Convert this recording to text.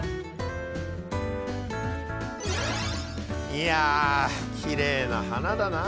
いやきれいな花だなあ。